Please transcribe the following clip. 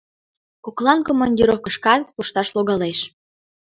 Коклан командировкышкат кошташ логалеш...